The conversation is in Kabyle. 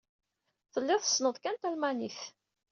Tellid tessned kan talmanit.